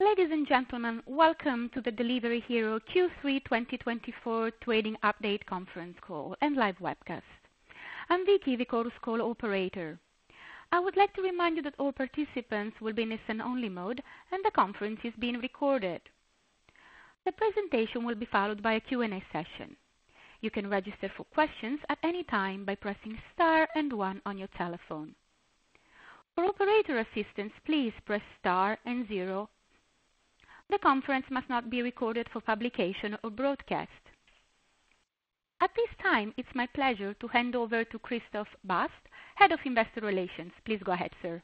Ladies and gentlemen, welcome to the Delivery Hero Q3 2024 Trading Update Conference Call and Live Webcast. I'm Vicky, the call operator. I would like to remind you that all participants will be in a listen-only mode, and the conference is being recorded. The presentation will be followed by a Q&A session. You can register for questions at any time by pressing Star and 1 on your telephone. For operator assistance, please press Star and 0. The conference must not be recorded for publication or broadcast. At this time, it's my pleasure to hand over to Christoph Bast, Head of Investor Relations. Please go ahead, sir.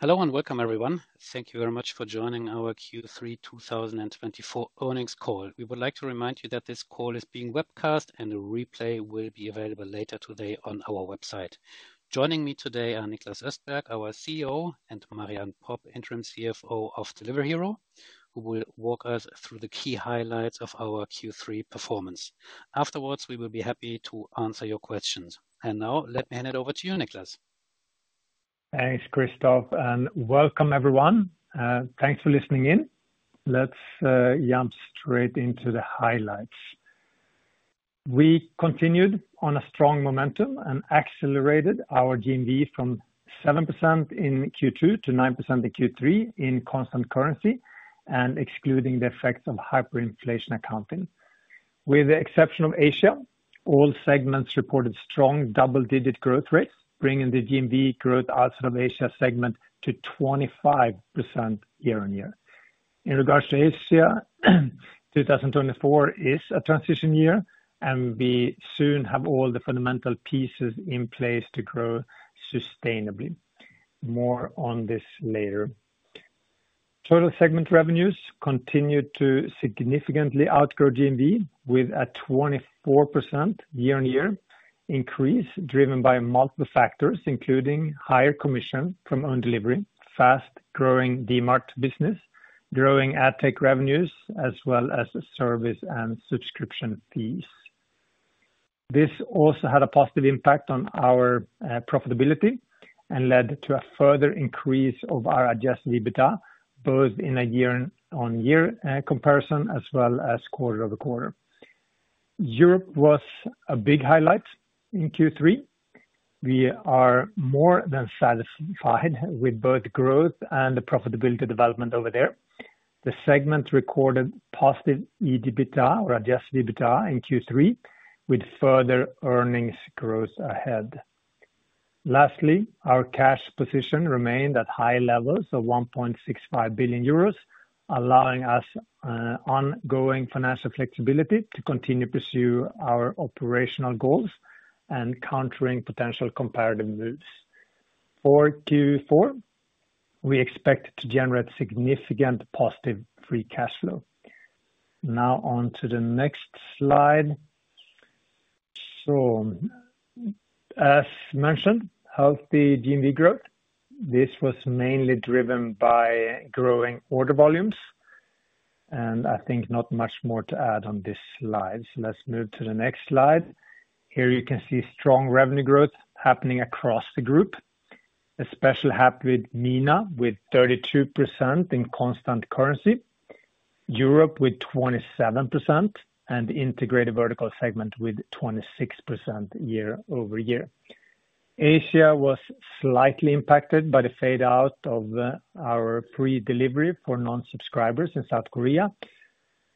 Hello and welcome, everyone. Thank you very much for joining our Q3 2024 earnings call. We would like to remind you that this call is being webcast, and a replay will be available later today on our website. Joining me today are Niklas Östberg, our CEO, and Marie-Anne Popp, Interim CFO of Delivery Hero, who will walk us through the key highlights of our Q3 performance. Afterwards, we will be happy to answer your questions. And now, let me hand it over to you, Niklas. Thanks, Christoph, and welcome, everyone. Thanks for listening in. Let's jump straight into the highlights. We continued on a strong momentum and accelerated our GMV from 7% in Q2 to 9% in Q3 in constant currency, excluding the effects of hyperinflation accounting. With the exception of Asia, all segments reported strong double-digit growth rates, bringing the GMV growth outside of Asia segment to 25% year-on-year. In regards to Asia, 2024 is a transition year, and we soon have all the fundamental pieces in place to grow sustainably. More on this later. Total segment revenues continued to significantly outgrow GMV, with a 24% year-on-year increase driven by multiple factors, including higher commission from own delivery, fast-growing DMart business, growing ad tech revenues, as well as service and subscription fees. This also had a positive impact on our profitability and led to a further increase of our Adjusted EBITDA, both in a year-on-year comparison as well as quarter-over-quarter. Europe was a big highlight in Q3. We are more than satisfied with both growth and the profitability development over there. The segment recorded positive Adjusted EBITDA or Adjusted EBITDA in Q3, with further earnings growth ahead. Lastly, our cash position remained at high levels of 1.65 billion euros, allowing us ongoing financial flexibility to continue to pursue our operational goals and countering potential competitive moves. For Q4, we expect to generate significant positive free cash flow. Now, on to the next slide. So, as mentioned, healthy GMV growth. This was mainly driven by growing order volumes. And I think not much more to add on this slide. So let's move to the next slide. Here you can see strong revenue growth happening across the group. Especially happy with MENA with 32% in constant currency, Europe with 27%, and the integrated vertical segment with 26% year-over-year. Asia was slightly impacted by the fade-out of our pre-delivery for non-subscribers in South Korea,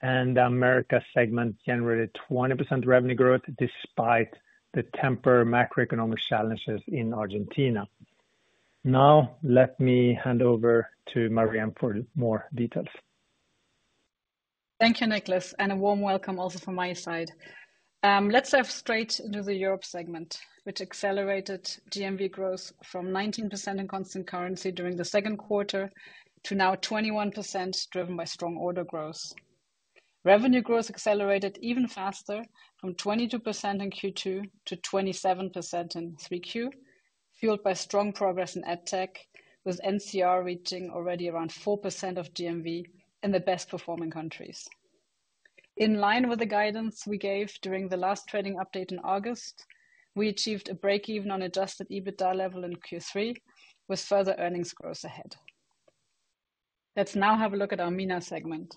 and the Americas segment generated 20% revenue growth despite the temporary macroeconomic challenges in Argentina. Now, let me hand over to Marie-Anne for more details. Thank you, Niklas, and a warm welcome also from my side. Let's dive straight into the Europe segment, which accelerated GMV growth from 19% in constant currency during the second quarter to now 21%, driven by strong order growth. Revenue growth accelerated even faster, from 22% in Q2 to 27% in Q3, fueled by strong progress in ad tech, with NCR reaching already around 4% of GMV in the best-performing countries. In line with the guidance we gave during the last trading update in August, we achieved a break-even on adjusted EBITDA level in Q3, with further earnings growth ahead. Let's now have a look at our MENA segment.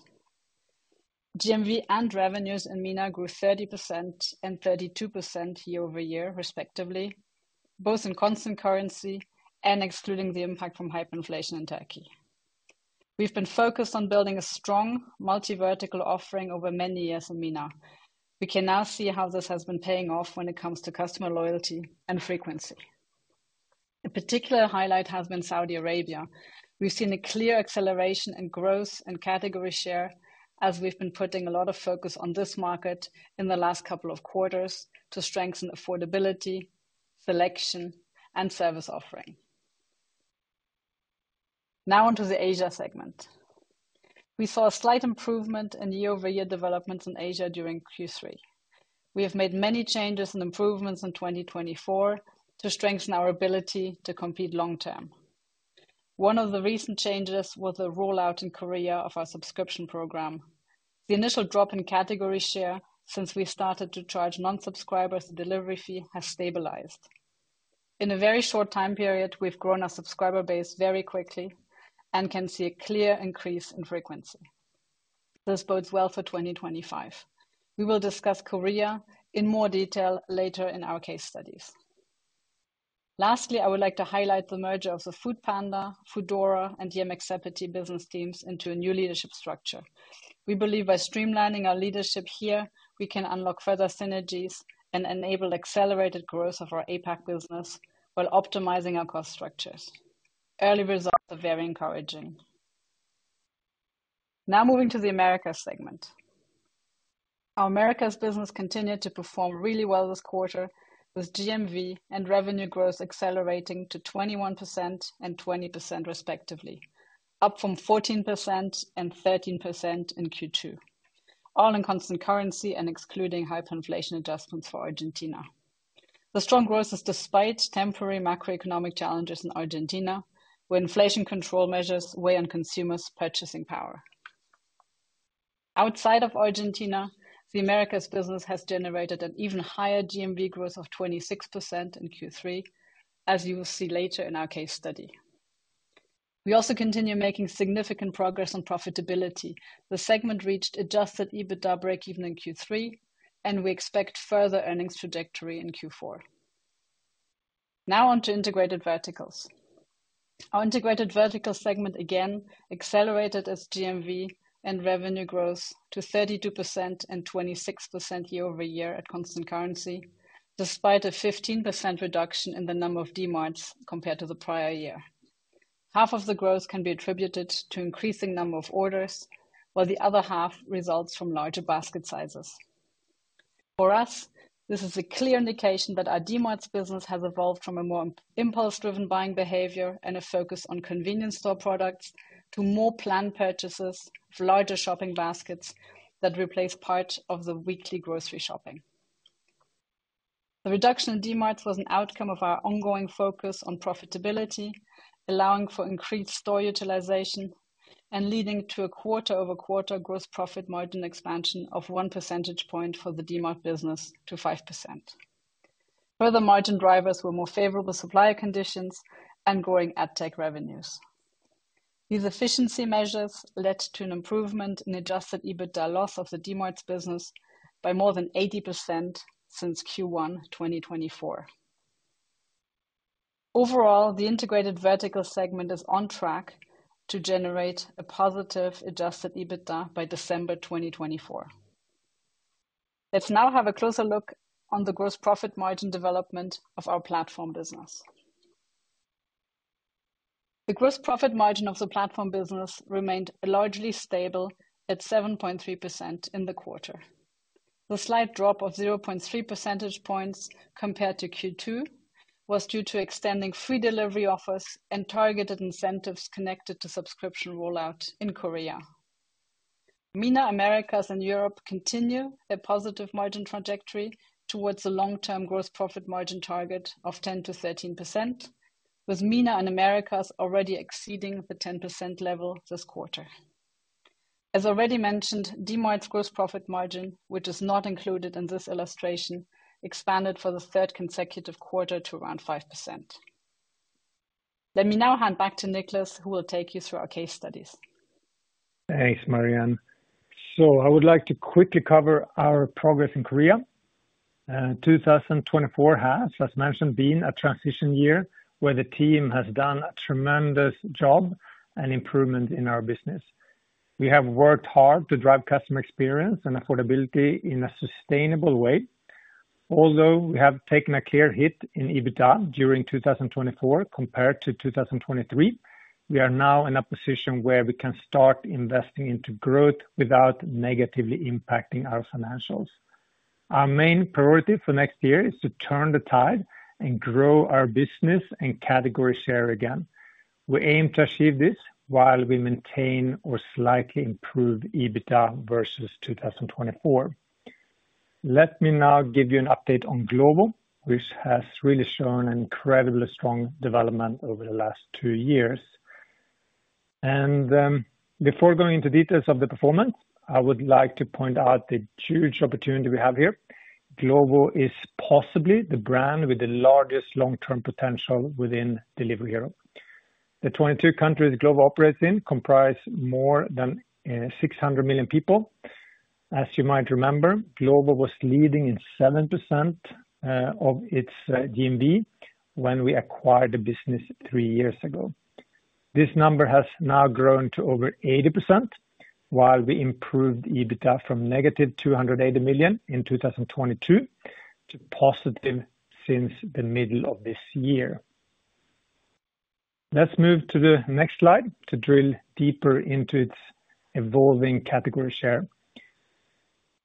GMV and revenues in MENA grew 30% and 32% year-over-year, respectively, both in constant currency and excluding the impact from hyperinflation in Turkey. We've been focused on building a strong multi-vertical offering over many years in MENA. We can now see how this has been paying off when it comes to customer loyalty and frequency. A particular highlight has been Saudi Arabia. We've seen a clear acceleration in growth and category share, as we've been putting a lot of focus on this market in the last couple of quarters to strengthen affordability, selection, and service offering. Now, on to the Asia segment. We saw a slight improvement in year-over-year developments in Asia during Q3. We have made many changes and improvements in 2024 to strengthen our ability to compete long-term. One of the recent changes was the rollout in Korea of our subscription program. The initial drop in category share since we started to charge non-subscribers a delivery fee has stabilized. In a very short time period, we've grown our subscriber base very quickly and can see a clear increase in frequency. This bodes well for 2025. We will discuss Korea in more detail later in our case studies. Lastly, I would like to highlight the merger of the Foodpanda, Foodora, and Yemeksepeti business teams into a new leadership structure. We believe by streamlining our leadership here, we can unlock further synergies and enable accelerated growth of our APAC business while optimizing our cost structures. Early results are very encouraging. Now, moving to the Americas segment. Our Americas business continued to perform really well this quarter, with GMV and revenue growth accelerating to 21% and 20%, respectively, up from 14% and 13% in Q2, all in constant currency and excluding hyperinflation adjustments for Argentina. The strong growth is despite temporary macroeconomic challenges in Argentina, where inflation control measures weigh on consumers' purchasing power. Outside of Argentina, the Americas business has generated an even higher GMV growth of 26% in Q3, as you will see later in our case study. We also continue making significant progress on profitability. The segment reached Adjusted EBITDA breakeven in Q3, and we expect further earnings trajectory in Q4. Now, on to integrated verticals. Our integrated vertical segment again accelerated its GMV and revenue growth to 32% and 26% year-over-year at constant currency, despite a 15% reduction in the number of DMarts compared to the prior year. Half of the growth can be attributed to an increasing number of orders, while the other half results from larger basket sizes. For us, this is a clear indication that our DMarts business has evolved from a more impulse-driven buying behavior and a focus on convenience store products to more planned purchases of larger shopping baskets that replace part of the weekly grocery shopping. The reduction in DMarts was an outcome of our ongoing focus on profitability, allowing for increased store utilization and leading to a quarter-over-quarter gross profit margin expansion of one percentage point for the DMart business to 5%. Further margin drivers were more favorable supplier conditions and growing ad tech revenues. These efficiency measures led to an improvement in adjusted EBITDA loss of the DMarts business by more than 80% since Q1 2024. Overall, the integrated vertical segment is on track to generate a positive adjusted EBITDA by December 2024. Let's now have a closer look on the gross profit margin development of our platform business. The gross profit margin of the platform business remained largely stable at 7.3% in the quarter. The slight drop of 0.3% points compared to Q2 was due to extending free delivery offers and targeted incentives connected to subscription rollout in Korea. MENA, Americas, and Europe continue their positive margin trajectory towards the long-term gross profit margin target of 10%-13%, with MENA and Americas already exceeding the 10% level this quarter. As already mentioned, DMart's gross profit margin, which is not included in this illustration, expanded for the third consecutive quarter to around 5%. Let me now hand back to Niklas, who will take you through our case studies. Thanks, Marie-Anne. So I would like to quickly cover our progress in Korea. 2024 has, as mentioned, been a transition year where the team has done a tremendous job and improvement in our business. We have worked hard to drive customer experience and affordability in a sustainable way. Although we have taken a clear hit in EBITDA during 2024 compared to 2023, we are now in a position where we can start investing into growth without negatively impacting our financials. Our main priority for next year is to turn the tide and grow our business and category share again. We aim to achieve this while we maintain or slightly improve EBITDA versus 2024. Let me now give you an update on Glovo, which has really shown an incredibly strong development over the last two years. Before going into details of the performance, I would like to point out the huge opportunity we have here. Glovo is possibly the brand with the largest long-term potential within Delivery Hero. The 22 countries Glovo operates in comprise more than 600 million people. As you might remember, Glovo was leading in 7% of its GMV when we acquired the business three years ago. This number has now grown to over 80%, while we improved EBITDA from negative 280 million in 2022 to positive since the middle of this year. Let's move to the next slide to drill deeper into its evolving category share.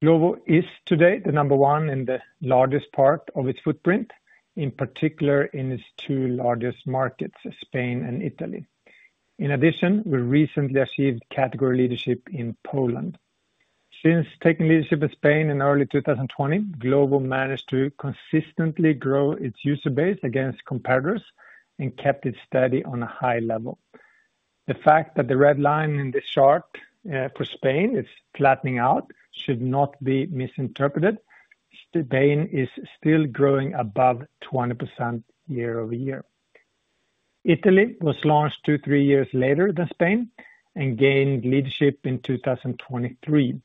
Glovo is today the number one in the largest part of its footprint, in particular in its two largest markets, Spain and Italy. In addition, we recently achieved category leadership in Poland. Since taking leadership in Spain in early 2020, Glovo managed to consistently grow its user base against competitors and kept it steady on a high level. The fact that the red line in this chart for Spain is flattening out should not be misinterpreted. Spain is still growing above 20% year-over-year. Italy was launched two to three years later than Spain and gained leadership in 2023.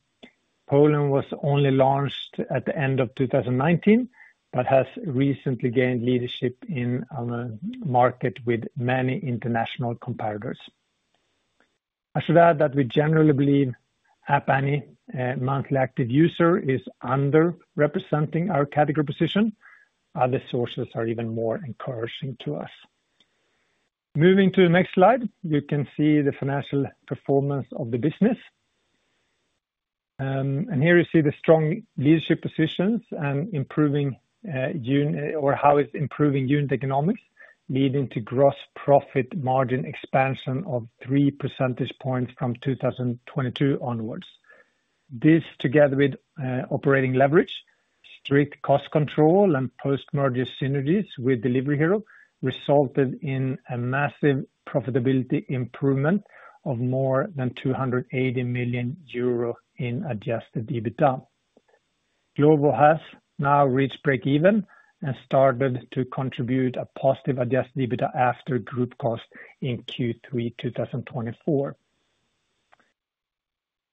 Poland was only launched at the end of 2019, but has recently gained leadership in a market with many international competitors. I should add that we generally believe App Annie monthly active user is underrepresenting our category position. Other sources are even more encouraging to us. Moving to the next slide, you can see the financial performance of the business. And here you see the strong leadership positions and improving or how it's improving unit economics, leading to gross profit margin expansion of three percentage points from 2022 onwards. This, together with operating leverage, strict cost control, and post-merger synergies with Delivery Hero, resulted in a massive profitability improvement of more than 280 million euro in Adjusted EBITDA. Glovo has now reached break-even and started to contribute a positive Adjusted EBITDA after group cost in Q3 2024.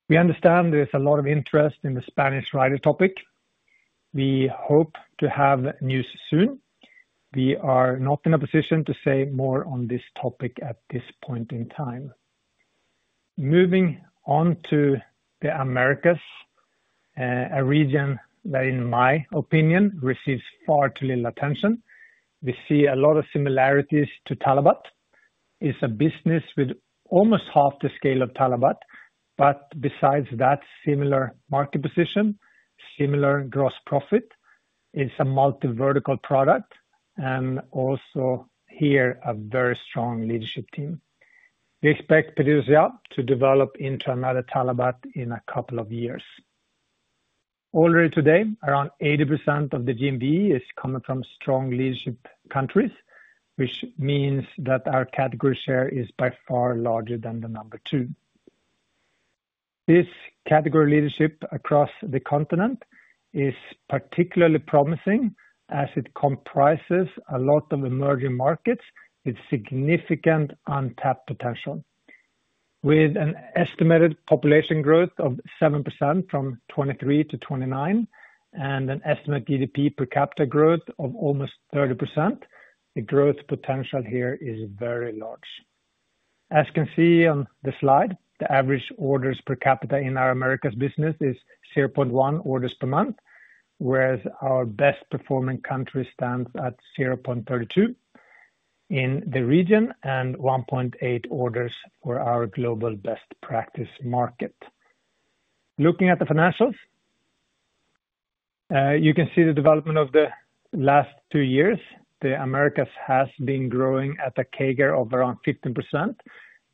We understand there's a lot of interest in the Spanish rider topic. We hope to have news soon. We are not in a position to say more on this topic at this point in time. Moving on to the Americas, a region that, in my opinion, receives far too little attention. We see a lot of similarities to Talabat. It's a business with almost half the scale of Talabat, but besides that similar market position, similar gross profit. It's a multi-vertical product and also here a very strong leadership team. We expect PedidosYa to develop into another Talabat in a couple of years. Already today, around 80% of the GMV is coming from strong leadership countries, which means that our category share is by far larger than the number two. This category leadership across the continent is particularly promising as it comprises a lot of emerging markets with significant untapped potential. With an estimated population growth of 7% from 2023 to 2029 and an estimated GDP per capita growth of almost 30%, the growth potential here is very large. As you can see on the slide, the average orders per capita in our Americas business is 0.1 orders per month, whereas our best-performing country stands at 0.32 in the region and 1.8 orders for our global best practice market. Looking at the financials, you can see the development of the last two years. The Americas has been growing at a CAGR of around 15%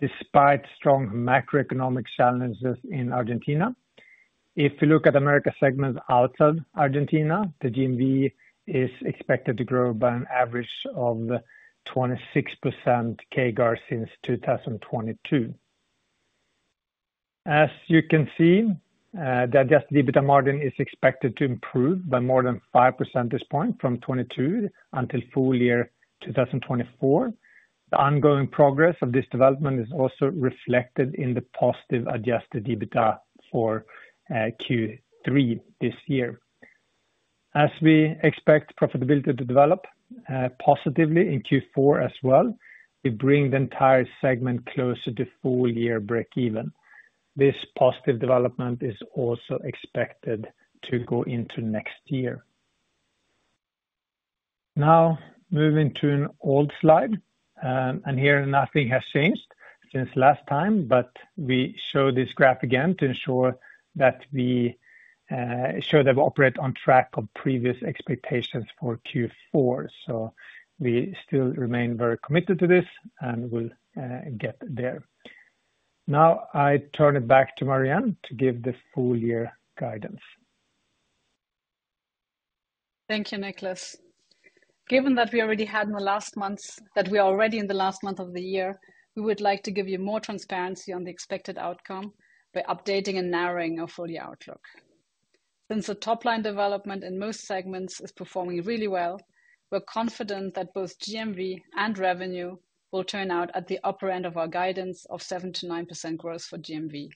despite strong macroeconomic challenges in Argentina. If we look at Americas segments outside Argentina, the GMV is expected to grow by an average of 26% CAGR since 2022. As you can see, the adjusted EBITDA margin is expected to improve by more than 5% at this point from 22 until full year 2024. The ongoing progress of this development is also reflected in the positive adjusted EBITDA for Q3 this year. As we expect profitability to develop positively in Q4 as well, we bring the entire segment closer to full year break-even. This positive development is also expected to go into next year. Now, moving to an old slide, and here nothing has changed since last time, but we show this graph again to ensure that we show that we operate on track of previous expectations for Q4. So we still remain very committed to this and will get there. Now, I turn it back to Marie-Anne to give the full year guidance. Thank you, Niklas. Given that we already had in the last months that we are already in the last month of the year, we would like to give you more transparency on the expected outcome by updating and narrowing our full year outlook. Since the top-line development in most segments is performing really well, we're confident that both GMV and revenue will turn out at the upper end of our guidance of 7%-9% growth for GMV,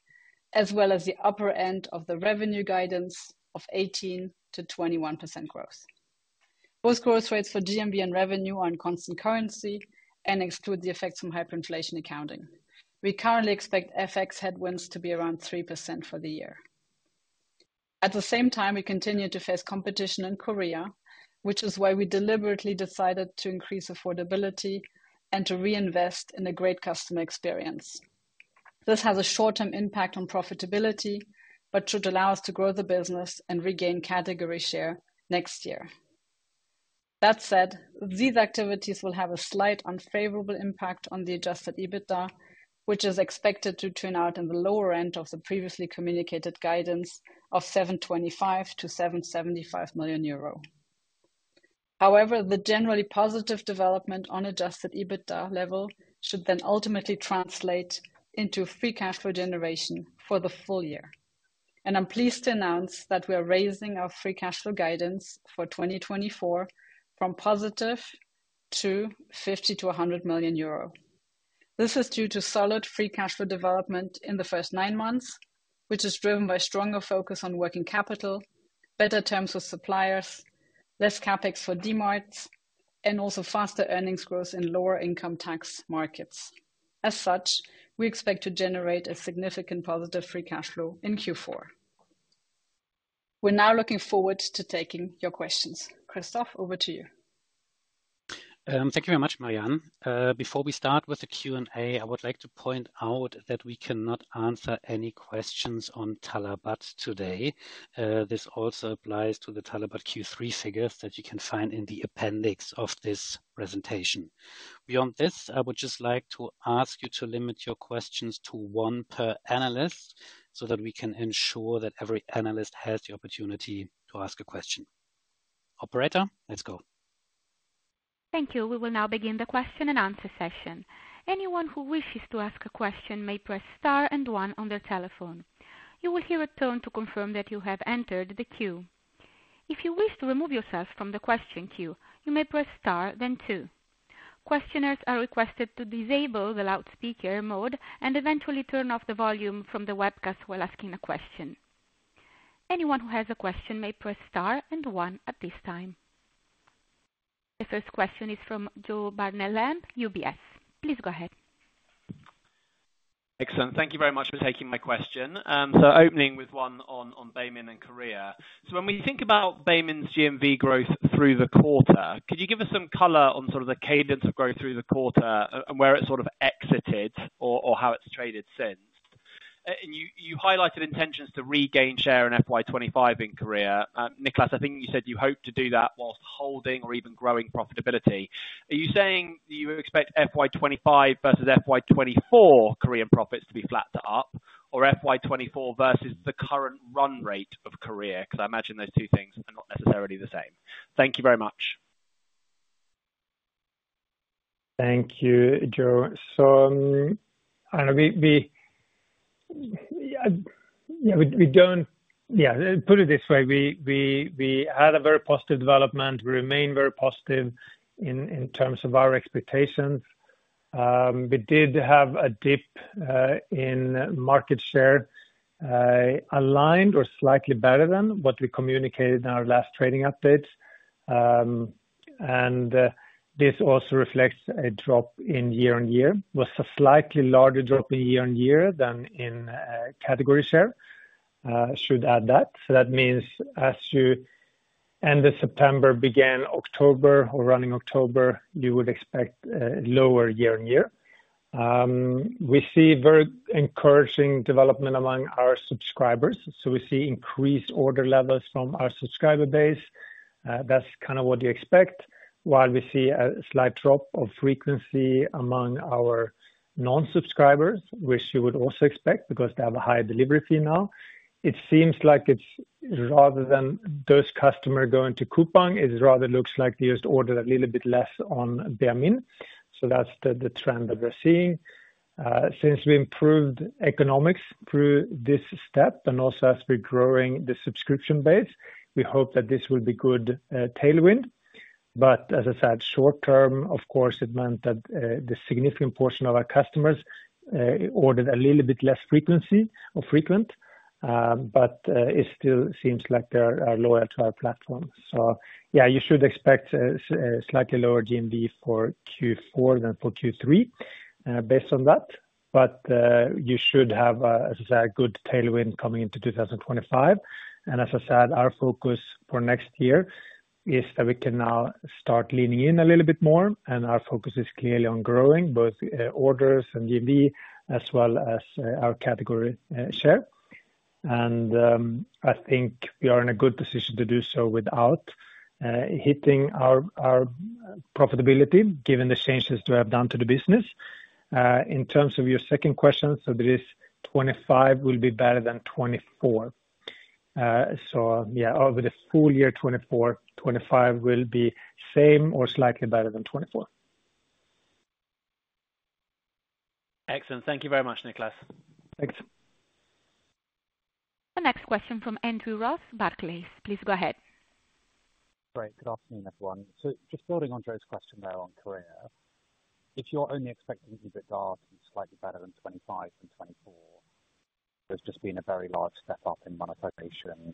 as well as the upper end of the revenue guidance of 18%-21% growth. Both growth rates for GMV and revenue are in constant currency and exclude the effects from hyperinflation accounting. We currently expect FX headwinds to be around 3% for the year. At the same time, we continue to face competition in Korea, which is why we deliberately decided to increase affordability and to reinvest in a great customer experience. This has a short-term impact on profitability, but should allow us to grow the business and regain category share next year. That said, these activities will have a slight unfavorable impact on the adjusted EBITDA, which is expected to turn out in the lower end of the previously communicated guidance of 725 million to 775 million euro. However, the generally positive development on adjusted EBITDA level should then ultimately translate into free cash flow generation for the full year, and I'm pleased to announce that we are raising our free cash flow guidance for 2024 from positive to 50 million-100 million euro. This is due to solid free cash flow development in the first nine months, which is driven by stronger focus on working capital, better terms with suppliers, less CapEx for DMarts, and also faster earnings growth in lower-income tax markets. As such, we expect to generate a significant positive free cash flow in Q4. We're now looking forward to taking your questions. Christoph, over to you. Thank you very much, Marie-Anne. Before we start with the Q&A, I would like to point out that we cannot answer any questions on Talabat today. This also applies to the Talabat Q3 figures that you can find in the appendix of this presentation. Beyond this, I would just like to ask you to limit your questions to one per analyst so that we can ensure that every analyst has the opportunity to ask a question. Operator, let's go. Thank you. We will now begin the question and answer session. Anyone who wishes to ask a question may press star and one on their telephone. You will hear a tone to confirm that you have entered the queue. If you wish to remove yourself from the question queue, you may press star, then two. Questioners are requested to disable the loudspeaker mode and eventually turn off the volume from the webcast while asking a question. Anyone who has a question may press star and one at this time. The first question is from Jo Barnet-Lamb, UBS. Please go ahead. Excellent. Thank you very much for taking my question. So opening with one on Baemin and Korea. So when we think about Baemin's GMV growth through the quarter, could you give us some color on sort of the cadence of growth through the quarter and where it sort of exited or how it's traded since? And you highlighted intentions to regain share in FY25 in Korea. Niklas, I think you said you hope to do that whilst holding or even growing profitability. Are you saying you expect FY25 versus FY24 Korean profits to be flat to up, or FY24 versus the current run rate of Korea? Because I imagine those two things are not necessarily the same. Thank you very much. Thank you, Jo. So I know we don't, yeah, put it this way. We had a very positive development. We remain very positive in terms of our expectations. We did have a dip in market share aligned or slightly better than what we communicated in our last trading updates, and this also reflects a drop in year on year. It was a slightly larger drop in year on year than in category share. Should add that, so that means as you end of September, begin October, or running October, you would expect lower year on year. We see very encouraging development among our subscribers, so we see increased order levels from our subscriber base. That's kind of what you expect, while we see a slight drop of frequency among our non-subscribers, which you would also expect because they have a higher delivery fee now. It seems like it's rather than those customers going to Coupang, it rather looks like they just ordered a little bit less on Baemin. So that's the trend that we're seeing. Since we improved economics through this step and also as we're growing the subscription base, we hope that this will be good tailwind. But as I said, short term, of course, it meant that the significant portion of our customers ordered a little bit less frequency or frequent, but it still seems like they are loyal to our platform. So yeah, you should expect a slightly lower GMV for Q4 than for Q3 based on that. But you should have, as I said, a good tailwind coming into 2025. And as I said, our focus for next year is that we can now start leaning in a little bit more. Our focus is clearly on growing both orders and GMV, as well as our category share. And I think we are in a good position to do so without hitting our profitability, given the changes we have done to the business. In terms of your second question, so there is 2025 will be better than 2024. So yeah, over the full year 2024, 2025 will be same or slightly better than 2024. Excellent. Thank you very much, Niklas. Thanks. The next question from Andrew Ross, Barclays. Please go ahead. Great. Good afternoon, everyone. So just building on Joe's question there on Korea, if you're only expecting EBITDA to be slightly better than 2025 than 2024, there's just been a very large step up in monetization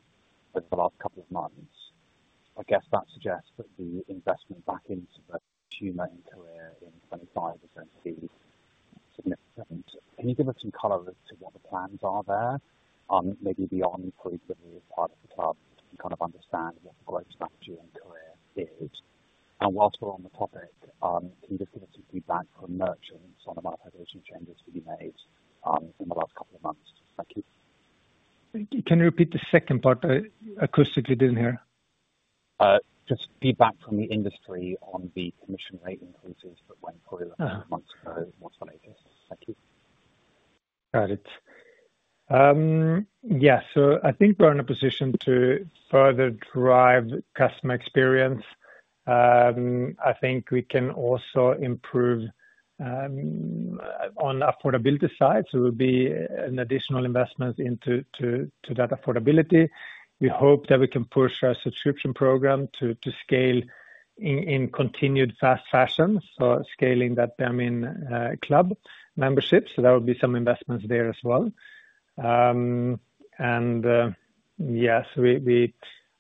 over the last couple of months. I guess that suggests that the investment back into the consumer in Korea in 2025 is going to be significant. Can you give us some color as to what the plans are there, maybe beyond the Baemin Club to kind of understand what the growth strategy in Korea is? And whilst we're on the topic, can you just give us some feedback from merchants on monetization changes that you made in the last couple of months? Thank you. Can you repeat the second part? Acoustically didn't hear. Just feedback from the industry on the commission rate increases that went through a couple of months ago. What's the latest? Thank you. Got it. Yeah. So I think we're in a position to further drive customer experience. I think we can also improve on the affordability side. So there will be an additional investment into that affordability. We hope that we can push our subscription program to scale in continued fast fashion, so scaling that Baemin Club membership, so there will be some investments there as well, and yes, I don't know.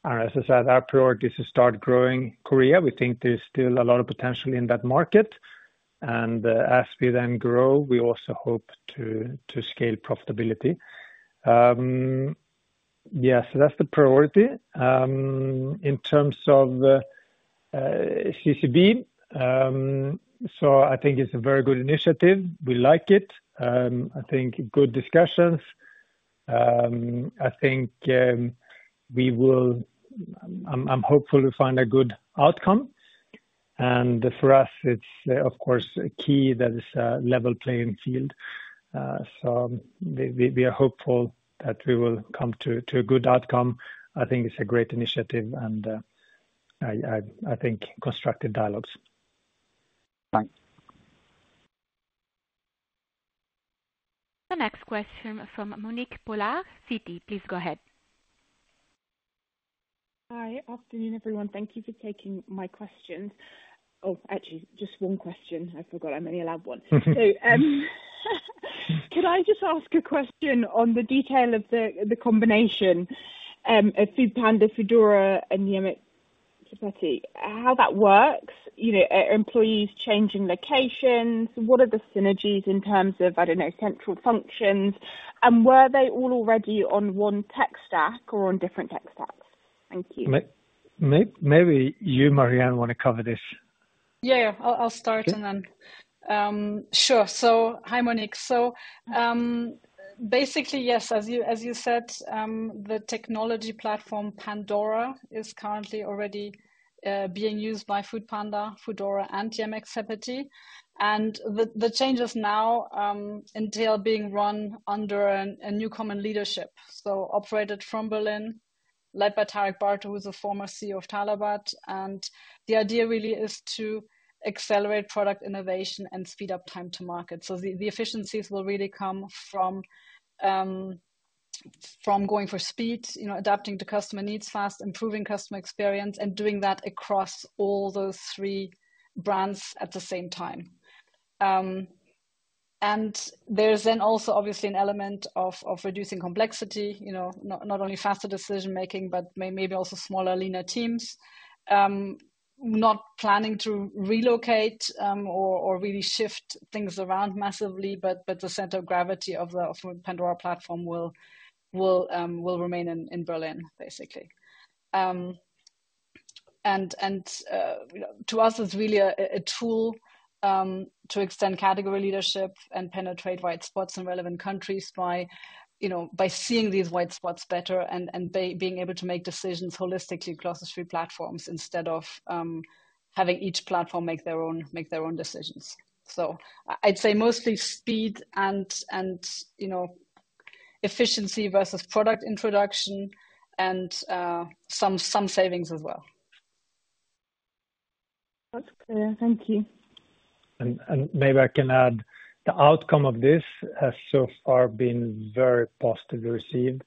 As I said, our priority is to start growing Korea. We think there's still a lot of potential in that market. And as we then grow, we also hope to scale profitability. Yeah, so that's the priority. In terms of CCB, so I think it's a very good initiative. We like it. I think good discussions. I think we will, I'm hopeful to find a good outcome. And for us, it's of course key that it's a level playing field. So we are hopeful that we will come to a good outcome. I think it's a great initiative and I think constructive dialogues. Thanks. The next question from Monique Pollard, Citi. Please go ahead. Hi, afternoon, everyone. Thank you for taking my questions. Oh, actually, just one question. I forgot I'm an elaborate one. So could I just ask a question on the detail of the combination of Foodpanda, Foodora, and Yemeksepeti, how that works? Are employees changing locations? What are the synergies in terms of, I don't know, central functions? And were they all already on one tech stack or on different tech stacks? Thank you. Maybe you, Marie-Anne, want to cover this. Yeah, I'll start and then. Sure. So hi, Monique. So basically, yes, as you said, the technology platform Pandora is currently already being used by Foodpanda, Foodora, and Yemeksepeti. And the changes now entail being run under a new common leadership. So operated from Berlin, led by Tarek Abdalla, who's a former CEO of Talabat. And the idea really is to accelerate product innovation and speed up time to market. So the efficiencies will really come from going for speed, adapting to customer needs fast, improving customer experience, and doing that across all those three brands at the same time. And there's then also, obviously, an element of reducing complexity, not only faster decision-making, but maybe also smaller, leaner teams. Not planning to relocate or really shift things around massively, but the center of gravity of the Pandora platform will remain in Berlin, basically. And to us, it's really a tool to extend category leadership and penetrate white spots in relevant countries by seeing these white spots better and being able to make decisions holistically across the three platforms instead of having each platform make their own decisions. So I'd say mostly speed and efficiency versus product introduction and some savings as well. That's clear. Thank you. Maybe I can add the outcome of this has so far been very positively received.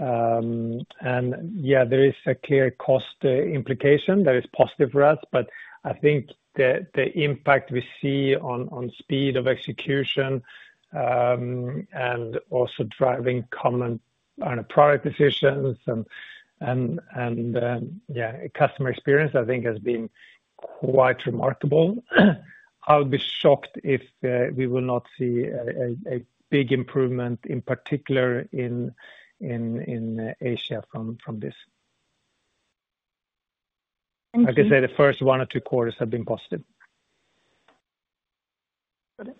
Yeah, there is a clear cost implication that is positive for us, but I think the impact we see on speed of execution and also driving common product decisions and customer experience, I think, has been quite remarkable. I would be shocked if we will not see a big improvement, in particular in Asia, from this. Like I said, the first one or two quarters have been positive. Got it.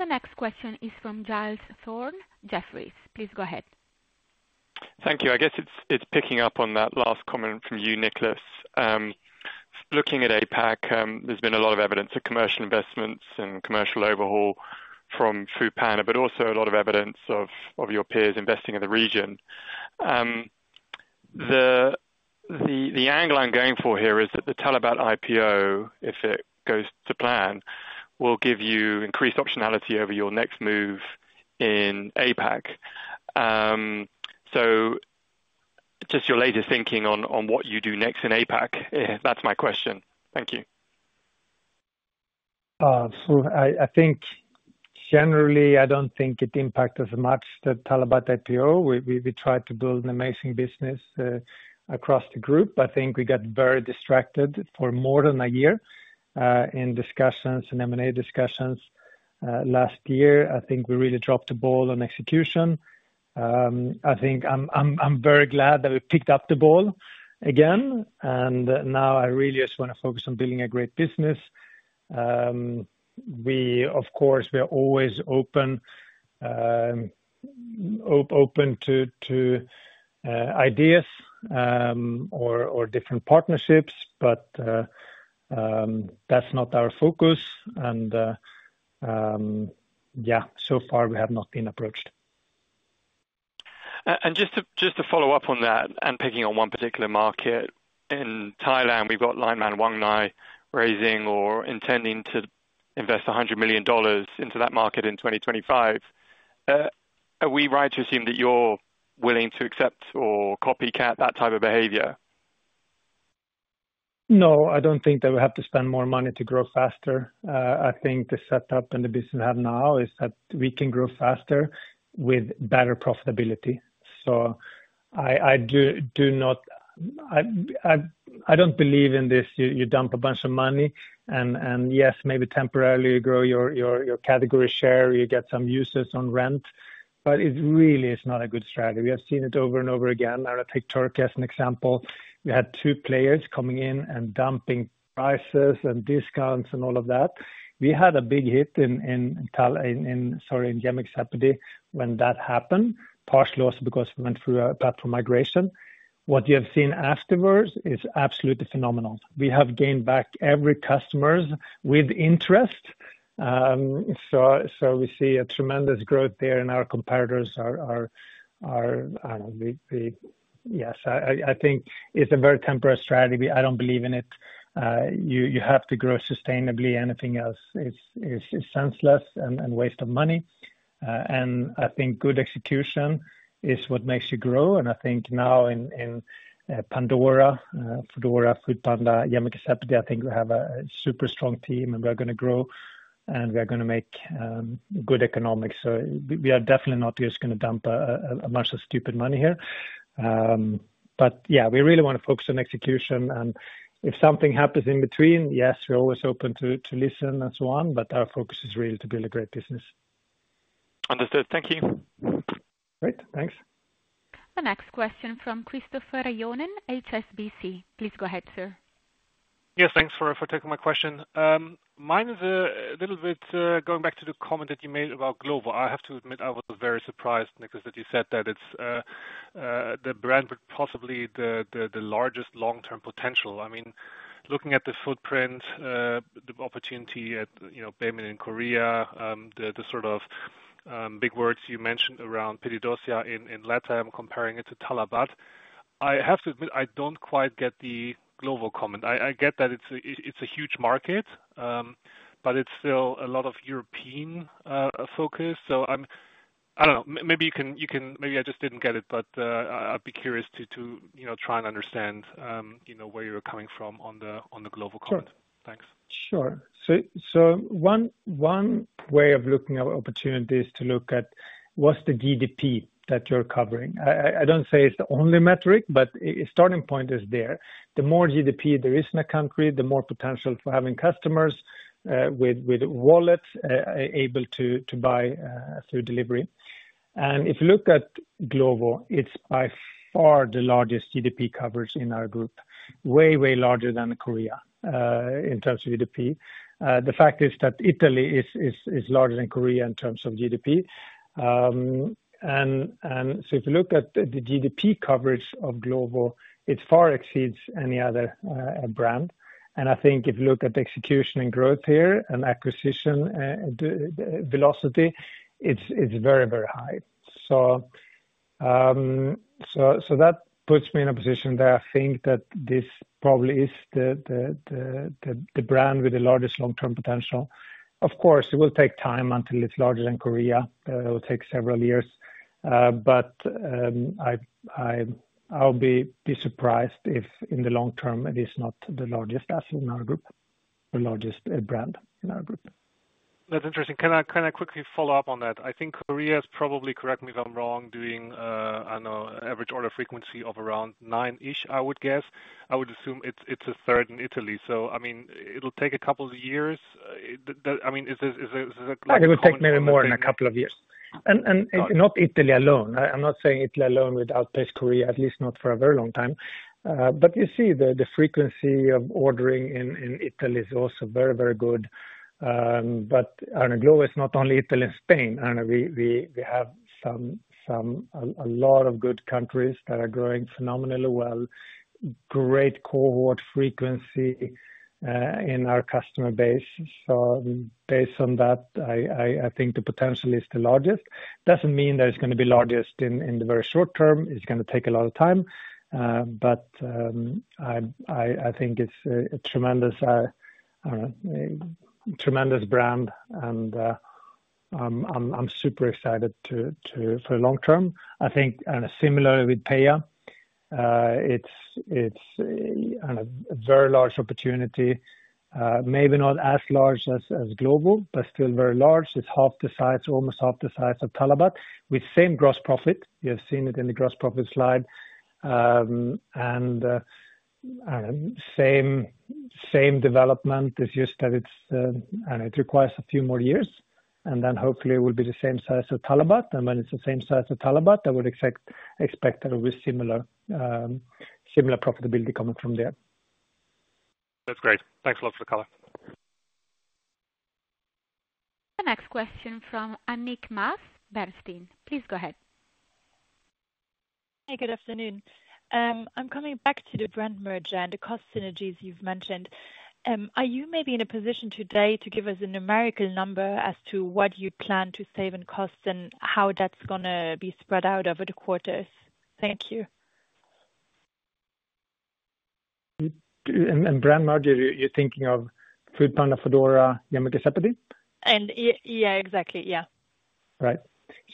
The next question is from Giles Thorne. Jefferies, please go ahead. Thank you. I guess it's picking up on that last comment from you, Niklas. Looking at APAC, there's been a lot of evidence of commercial investments and commercial overhaul from Foodpanda, but also a lot of evidence of your peers investing in the region. The angle I'm going for here is that the Talabat IPO, if it goes to plan, will give you increased optionality over your next move in APAC. So just your latest thinking on what you do next in APAC, that's my question. Thank you. So, I think generally, I don't think it impacted as much the Talabat IPO. We tried to build an amazing business across the group. I think we got very distracted for more than a year in discussions and M&A discussions. Last year, I think we really dropped the ball on execution. I think I'm very glad that we picked up the ball again. And now I really just want to focus on building a great business. We, of course, are always open to ideas or different partnerships, but that's not our focus. And yeah, so far, we have not been approached. Just to follow up on that and picking on one particular market, in Thailand, we've got LINE MAN Wongnai raising or intending to invest $100 million into that market in 2025. Are we right to assume that you're willing to accept or copycat that type of behavior? No, I don't think that we have to spend more money to grow faster. I think the setup and the business we have now is that we can grow faster with better profitability. So I don't believe in this. You dump a bunch of money, and yes, maybe temporarily you grow your category share, you get some users on rent, but it really is not a good strategy. We have seen it over and over again. I want to take Turkey as an example. We had two players coming in and dumping prices and discounts and all of that. We had a big hit in Yemeksepeti when that happened, partially also because we went through a platform migration. What you have seen afterwards is absolutely phenomenal. We have gained back every customer's with interest. So we see a tremendous growth there and our competitors are, I don't know, I think it's a very temporary strategy. I don't believe in it. You have to grow sustainably. Anything else is senseless and a waste of money. And I think good execution is what makes you grow. And I think now in Pandora, Foodora, Foodpanda, Yemeksepeti, I think we have a super strong team and we're going to grow and we're going to make good economics. So we are definitely not just going to dump a bunch of stupid money here. But yeah, we really want to focus on execution. And if something happens in between, yes, we're always open to listen and so on, but our focus is really to build a great business. Understood. Thank you. Great. Thanks. The next question from Christopher Johnen, HSBC. Please go ahead, sir. Yes, thanks for taking my question. Mine is a little bit going back to the comment that you made about Glovo. I have to admit I was very surprised, Niklas, that you said that it's the brand with possibly the largest long-term potential. I mean, looking at the footprint, the opportunity at Baemin and Korea, the sort of big words you mentioned around PedidosYa in LATAM comparing it to Talabat, I have to admit I don't quite get the Glovo comment. I get that it's a huge market, but it's still a lot of European focus. So I don't know. Maybe you can maybe I just didn't get it, but I'd be curious to try and understand where you're coming from on the Glovo comment. Thanks. Sure, so one way of looking at opportunities to look at was the GDP that you're covering. I don't say it's the only metric, but a starting point is there. The more GDP there is in a country, the more potential for having customers with wallets able to buy through delivery, and if you look at Glovo, it's by far the largest GDP coverage in our group, way, way larger than Korea in terms of GDP. The fact is that Italy is larger than Korea in terms of GDP, and so if you look at the GDP coverage of Glovo, it far exceeds any other brand, and I think if you look at execution and growth here and acquisition velocity, it's very, very high, so that puts me in a position that I think that this probably is the brand with the largest long-term potential. Of course, it will take time until it's larger than Korea. It will take several years. But I'll be surprised if in the long term it is not the largest asset in our group, the largest brand in our group. That's interesting. Can I quickly follow up on that? I think Korea is probably, correct me if I'm wrong, doing, I don't know, an average order frequency of around nine-ish, I would guess. I would assume it's a third in Italy. So I mean, it'll take a couple of years. I mean, is it like? It will take maybe more than a couple of years. And not Italy alone. I'm not saying Italy alone would outpace Korea, at least not for a very long time. But you see the frequency of ordering in Italy is also very, very good. But I don't know, Glovo is not only Italy and Spain. I don't know. We have a lot of good countries that are growing phenomenally well, great cohort frequency in our customer base. So based on that, I think the potential is the largest. Doesn't mean that it's going to be largest in the very short term. It's going to take a lot of time. But I think it's a tremendous brand. And I'm super excited for the long term. I think, similarly with PedidosYa, it's a very large opportunity. Maybe not as large as Glovo, but still very large. It's half the size, almost half the size of Talabat, with same gross profit. You have seen it in the gross profit slide. And same development is just that it requires a few more years. And then hopefully it will be the same size as Talabat. And when it's the same size as Talabat, I would expect that it will be similar profitability coming from there. That's great. Thanks a lot for the color. The next question from Annick Maas, Bernstein. Please go ahead. Hi, good afternoon. I'm coming back to the brand merger and the cost synergies you've mentioned. Are you maybe in a position today to give us a numerical number as to what you'd plan to save in costs and how that's going to be spread out over the quarters? Thank you. And brand merger, you're thinking of Foodpanda, Foodora, Yemeksepeti? Yeah, exactly. Yeah. Right.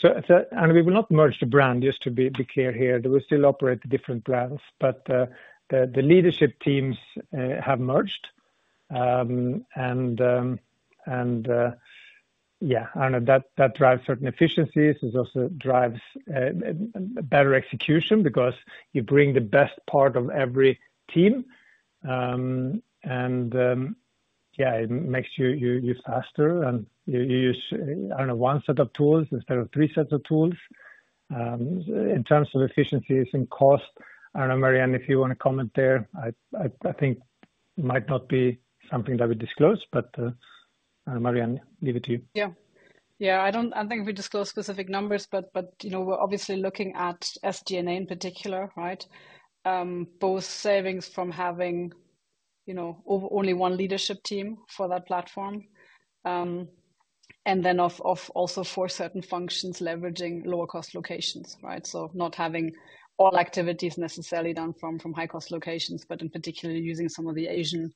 And we will not merge the brand, just to be clear here. We still operate different brands, but the leadership teams have merged. And yeah, I don't know. That drives certain efficiencies. It also drives better execution because you bring the best part of every team. And yeah, it makes you faster. And you use, I don't know, one set of tools instead of three sets of tools. In terms of efficiencies and cost, I don't know, Marie-Anne, if you want to comment there, I think might not be something that we disclose, but Marie-Anne, leave it to you. Yeah. Yeah. I don't think we disclose specific numbers, but we're obviously looking at SG&A in particular, right? Both savings from having only one leadership team for that platform, and then also for certain functions leveraging lower-cost locations, right? So not having all activities necessarily done from high-cost locations, but in particular using some of the Asian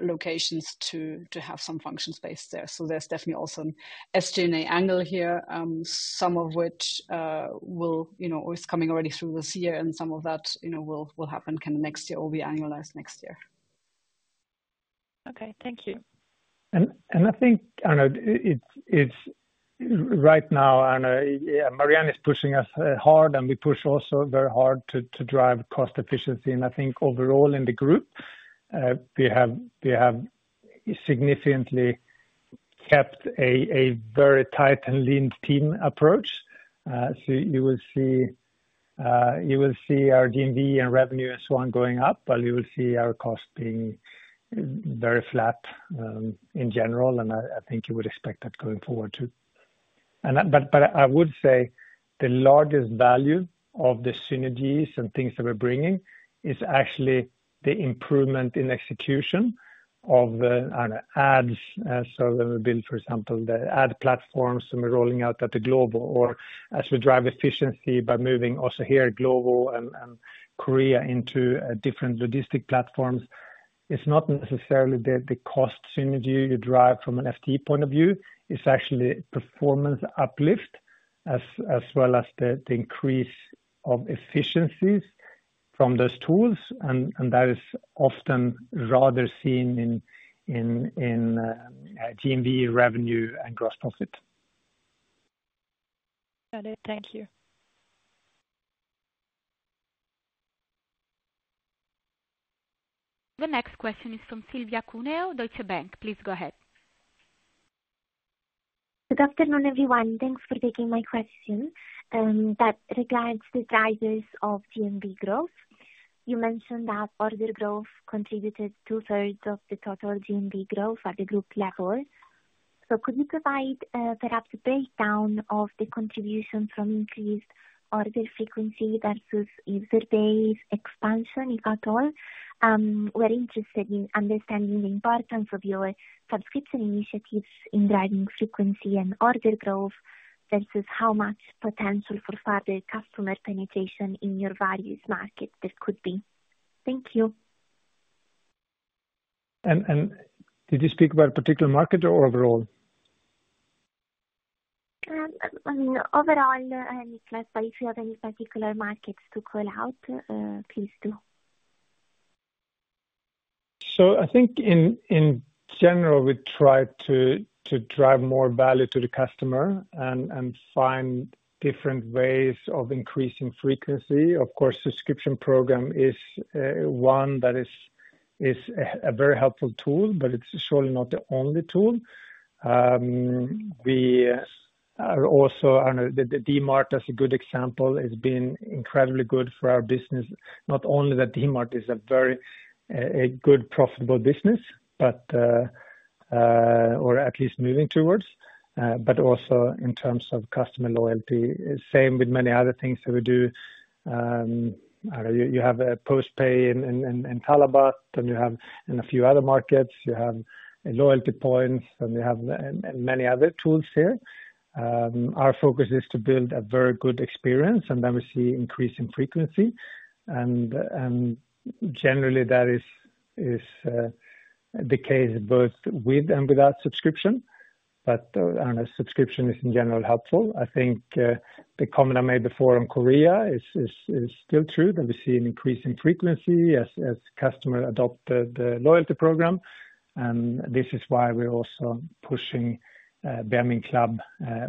locations to have some functions based there. So there's definitely also an SG&A angle here, some of which will be coming already through this year, and some of that will happen kind of next year or be annualized next year. Okay. Thank you. And I think, I don't know, right now, Marie-Anne is pushing us hard, and we push also very hard to drive cost efficiency. And I think overall in the group, we have significantly kept a very tight and lean team approach. So you will see our GMV and revenue and so on going up, but you will see our cost being very flat in general, and I think you would expect that going forward too. But I would say the largest value of the synergies and things that we're bringing is actually the improvement in execution of the ads. So when we build, for example, the ad platforms that we're rolling out at the Glovo, or as we drive efficiency by moving also here at Glovo and Korea into different logistic platforms, it's not necessarily the cost synergy you drive from an FTE point of view. It's actually performance uplift as well as the increase of efficiencies from those tools, and that is often rather seen in GMV revenue and gross profit. Got it. Thank you. The next question is from Silvia Cuneo, Deutsche Bank. Please go ahead. Good afternoon, everyone. Thanks for taking my question that regards the sizes of GMV growth. You mentioned that order growth contributed two-thirds of the total GMV growth at the group level. So could you provide perhaps a breakdown of the contribution from increased order frequency versus user base expansion, if at all? We're interested in understanding the importance of your subscription initiatives in driving frequency and order growth versus how much potential for further customer penetration in your various markets this could be. Thank you. Did you speak about a particular market or overall? I mean, overall, Niklas, if you have any particular markets to call out, please do. I think in general, we try to drive more value to the customer and find different ways of increasing frequency. Of course, the subscription program is one that is a very helpful tool, but it's surely not the only tool. We are also, I don't know, the DMart as a good example has been incredibly good for our business. Not only that DMart is a very good, profitable business, or at least moving towards, but also in terms of customer loyalty. Same with many other things that we do. You have a postpay in Talabat, and you have in a few other markets, you have loyalty points, and you have many other tools here. Our focus is to build a very good experience, and then we see increase in frequency. Generally, that is the case both with and without subscription. But I don't know, subscription is in general helpful. I think the comment I made before on Korea is still true that we see an increase in frequency as customers adopt the loyalty program. And this is why we're also pushing Baemin Club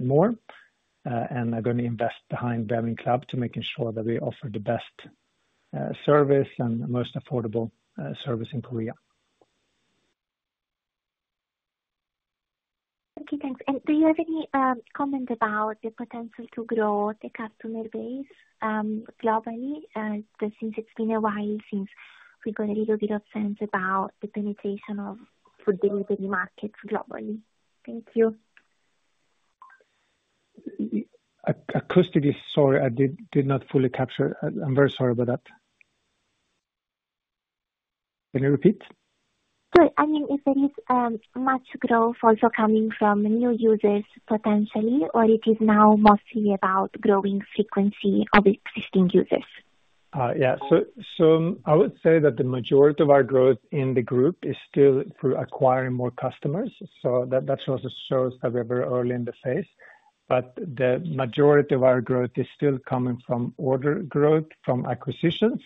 more. And I'm going to invest behind Baemin Club to make sure that we offer the best service and most affordable service in Korea. Okay. Thanks. And do you have any comment about the potential to grow the customer base globally since it's been a while since we got a little bit of sense about the penetration of food delivery markets globally? Thank you. Sorry, I did not fully capture. I'm very sorry about that. Can you repeat? Sure. I mean, if there is much growth also coming from new users potentially, or it is now mostly about growing frequency of existing users? Yeah. So I would say that the majority of our growth in the group is still through acquiring more customers. So that also shows that we're very early in the phase. But the majority of our growth is still coming from order growth, from acquisitions.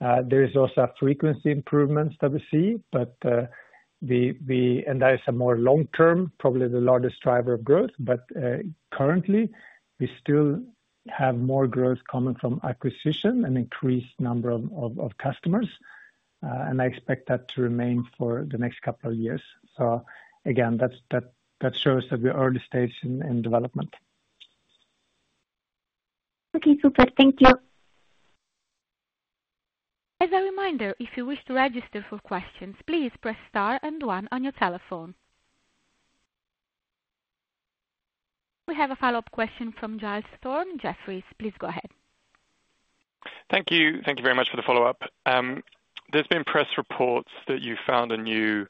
There is also a frequency improvement that we see, but that is a more long-term, probably the largest driver of growth. But currently, we still have more growth coming from acquisition and increased number of customers. And I expect that to remain for the next couple of years. So again, that shows that we're early stage in development. Okay. Super. Thank you. As a reminder, if you wish to register for questions, please press star and one on your telephone. We have a follow-up question from Giles Thorne. Jefferies, please go ahead. Thank you. Thank you very much for the follow-up. There's been press reports that you found a new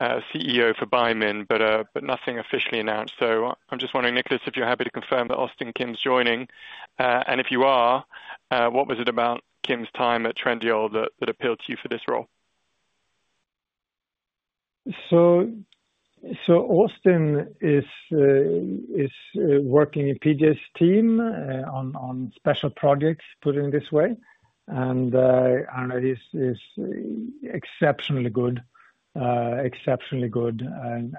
CEO for Baemin, but nothing officially announced. So I'm just wondering, Niklas, if you're happy to confirm that Austin Kim's joining. And if you are, what was it about Kim's time at Trendyol that appealed to you for this role? So, Austin is working in PJ's team on special projects. Put it this way. And I don't know, he's exceptionally good, exceptionally good. And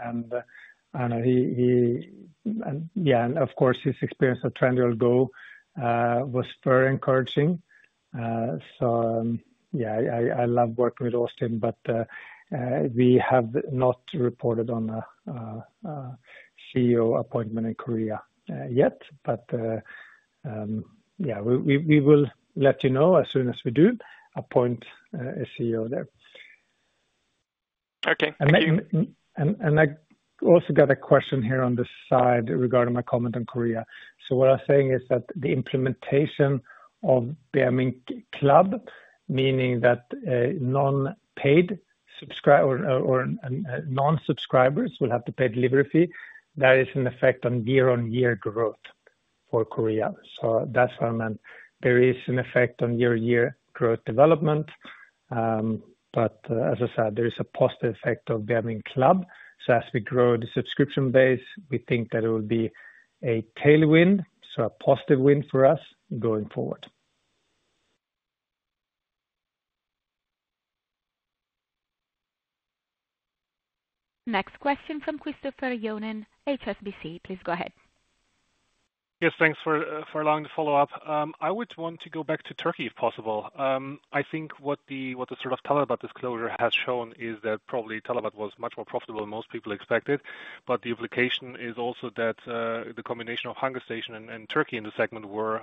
I don't know, yeah, and of course, his experience at Trendyol Go was very encouraging. So yeah, I love working with Austin, but we have not reported on a CEO appointment in Korea yet. But yeah, we will let you know as soon as we do appoint a CEO there. Okay. I also got a question here on the side regarding my comment on Korea. What I'm saying is that the implementation of Baemin Club, meaning that non-paid subscribers will have to pay delivery fee, that is an effect on year-on-year growth for Korea. That's what I meant. There is an effect on year-to-year growth development. As I said, there is a positive effect of Baemin Club. As we grow the subscription base, we think that it will be a tailwind, so a positive win for us going forward. Next question from Christopher Johnen, HSBC. Please go ahead. Yes, thanks for allowing the follow-up. I would want to go back to Turkey if possible. I think what the sort of Talabat disclosure has shown is that probably Talabat was much more profitable than most people expected. But the implication is also that the combination of HungerStation and Turkey in the segment were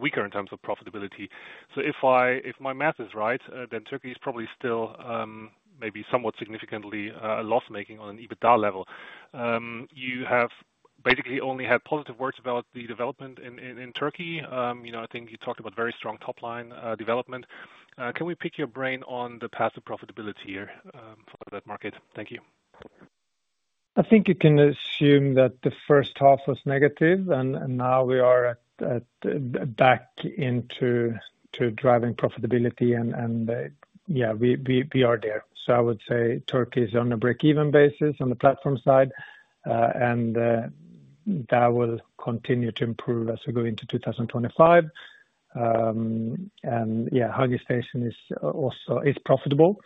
weaker in terms of profitability. So if my math is right, then Turkey is probably still maybe somewhat significantly loss-making on an EBITDA level. You have basically only had positive words about the development in Turkey. I think you talked about very strong top-line development. Can we pick your brain on the path of profitability here for that market? Thank you. I think you can assume that the first half was negative, and now we are back into driving profitability. And yeah, we are there. So I would say Turkey is on a break-even basis on the platform side, and that will continue to improve as we go into 2025. And yeah,C is profitable.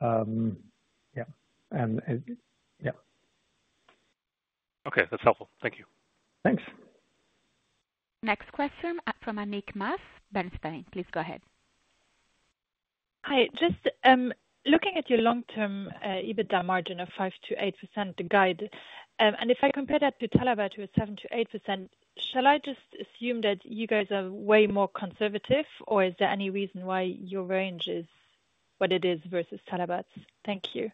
Yeah. And yeah. Okay. That's helpful. Thank you. Thanks. Next question from Annick Maas, Bernstein. Please go ahead. Hi. Just looking at your long-term EBITDA margin of 5%-8%, the guide, and if I compare that to Talabat who is 7%-8%, shall I just assume that you guys are way more conservative, or is there any reason why your range is what it is versus Talabat's? Thank you.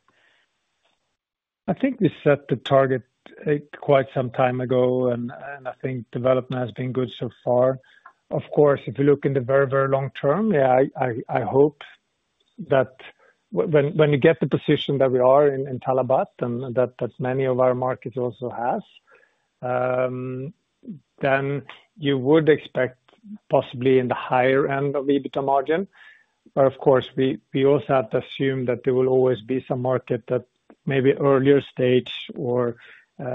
I think we set the target quite some time ago, and I think development has been good so far. Of course, if you look in the very, very long term, yeah, I hope that when you get the position that we are in Talabat and that many of our markets also have, then you would expect possibly in the higher end of EBITDA margin. But of course, we also have to assume that there will always be some market that may be earlier stage or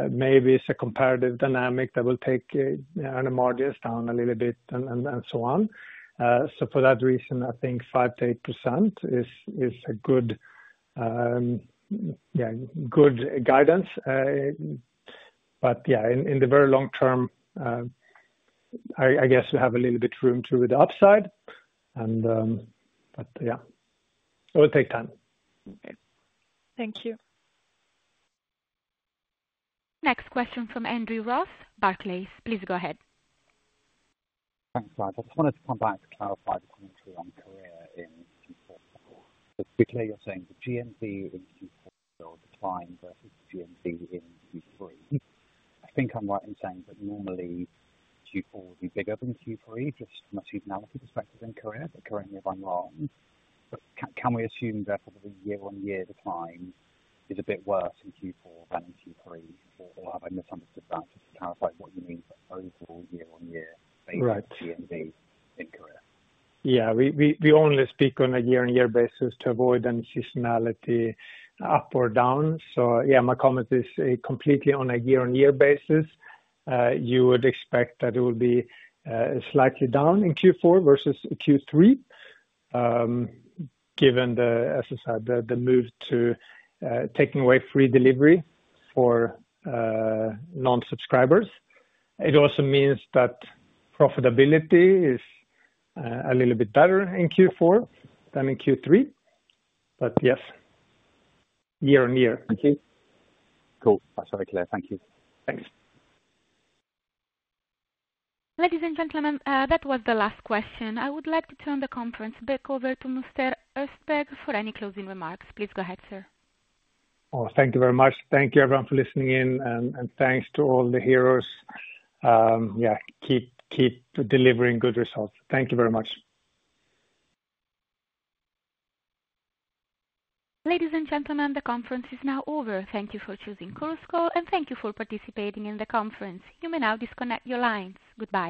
maybe it's a comparative dynamic that will take the margins down a little bit and so on. So for that reason, I think 5%-8% is a good guidance. But yeah, in the very long term, I guess we have a little bit of room to do with the upside. But yeah, it will take time. Okay. Thank you. Next question from Andrew Ross, Barclays. Please go ahead. Thanks, Mike. I just wanted to come back to clarify the commentary on Korea in Q4. Specifically, you're saying the GMV in Q4 will decline versus the GMV in Q3. I think I'm right in saying that normally Q4 will be bigger than Q3, just from a seasonality perspective in Korea, but correct me if I'm wrong. But can we assume that the year-on-year decline is a bit worse in Q4 than in Q3, or have I misunderstood that? Just to clarify what you mean by overall year-on-year basis GMV in Korea. Yeah. We only speak on a year-on-year basis to avoid any seasonality up or down. So yeah, my comment is completely on a year-on-year basis. You would expect that it will be slightly down in Q4 versus Q3, given, as I said, the move to taking away free delivery for non-subscribers. It also means that profitability is a little bit better in Q4 than in Q3. But yes, year-on-year. Thank you. Cool. Sorry, Claire. Thank you. Thanks. Ladies and gentlemen, that was the last question. I would like to turn the conference back over to Mr. Östberg for any closing remarks. Please go ahead, sir. Oh, thank you very much. Thank you, everyone, for listening in, and thanks to all the heroes. Yeah, keep delivering good results. Thank you very much. Ladies and gentlemen, the conference is now over. Thank you for choosing Chorus Call, and thank you for participating in the conference. You may now disconnect your lines. Goodbye.